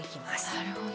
なるほど。